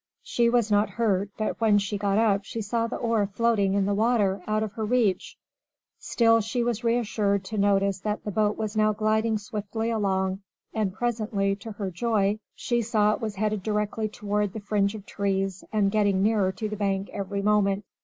She was not hurt, but when she got up she saw the oar floating in the water, out of her reach; still she was reassured to notice that the boat was now gliding swiftly along, and presently, to her joy, she saw it was headed directly toward the fringe of trees, and getting nearer to the bank every moment.